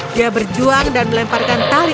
dia berjuang dan melemparkan tali